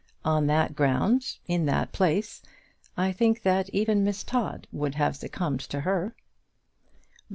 On that ground, in that place, I think that even Miss Todd would have succumbed to her.